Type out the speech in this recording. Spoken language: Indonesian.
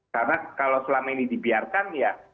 karena kalau selama ini dibiarkan ya